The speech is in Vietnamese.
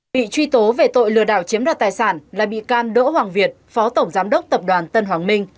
bị truy tố về tội lừa đảo chiếm đoạt tài sản là bị can đỗ hoàng việt phó tổng giám đốc tập đoàn tân hoàng minh